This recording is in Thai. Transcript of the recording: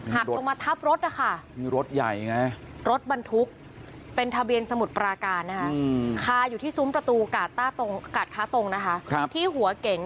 ห่ามาทำรถค่ะมีรถใหญ่ไงรถบรรทุกเป็นทะเบียนสมุทรประการค่ะ